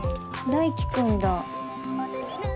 大貴君だ。